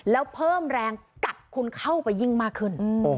แล้วเพิ่มแรงกัดคุณเข้าไปยิ่งมากขึ้น